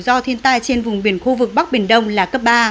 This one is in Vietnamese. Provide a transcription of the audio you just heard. do thiên tai trên vùng biển khu vực bắc biển đông là cấp ba